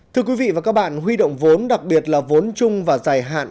thưa quý vị và các bạn huy động vốn đặc biệt là vốn chung và dài hạn